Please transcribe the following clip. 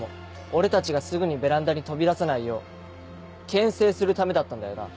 俺たちがすぐにベランダに飛び出さないようけん制するためだったんだよな？